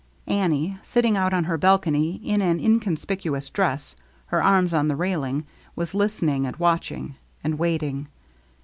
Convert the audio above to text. Annie, sitting out on her balcony in an in conspicuous dress, her arms on the railing, was listening and watching — and waiting.